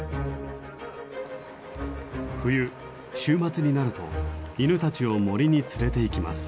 冬週末になると犬たちを森に連れていきます。